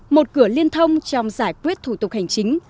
một cửa liên thông trong giải quyết thủ tục hành chính